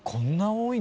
多い。